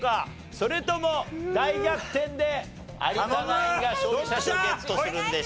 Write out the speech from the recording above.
それとも大逆転で有田ナインが勝利者賞ゲットするんでしょうか？